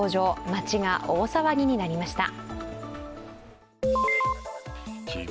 街が大騒ぎになりました。